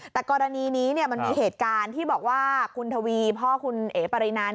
แต่กรณีนี้มันมีเหตุการณ์ที่บอกว่าคุณทวีพ่อคุณเอ๋ปรินา